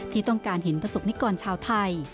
ที่ต้องการเห็นประสบนิกรชาวไทย